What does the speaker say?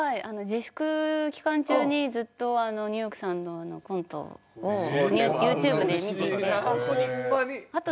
自粛期間中にずっとニューヨークさんのコントをＹｏｕＴｕｂｅで見ていて。